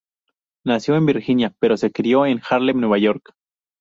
Nació en Virginia pero se crio en Harlem, Nueva York.